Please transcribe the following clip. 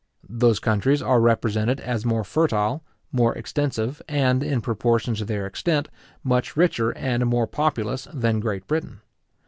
Those countries are represented as more fertile, more extensive, and, in proportion to their extent, much richer and more populous than Great Britain.